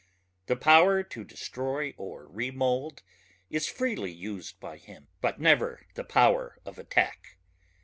The power to destroy or remould is freely used by him, but never the power of attack.